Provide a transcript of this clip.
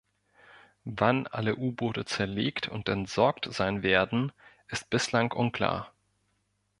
Wann alle U-Boote zerlegt und entsorgt sein werden ist bislang unklar.